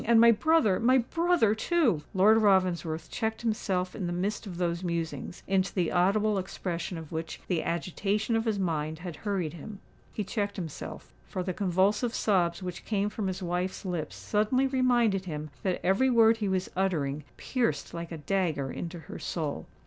And my brother—my brother too——" Lord Ravensworth checked himself in the midst of those musings, into the audible expression of which the agitation of his mind had hurried him:—he checked himself, for the convulsive sobs which came from his wife's lips suddenly reminded him that every word he was uttering pierced like a dagger into her soul.